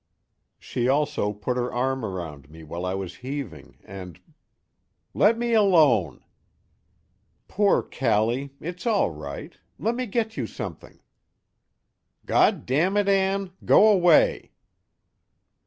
She also put her arm around me while I was heaving, and_ "Let me alone!" "Poor Callie! It's all right. Let me get you something." "_God damn it, Ann, go away!